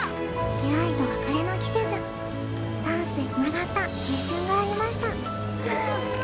出会いと別れの季節ダンスでつながった青春がありました